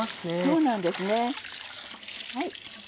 そうなんですね。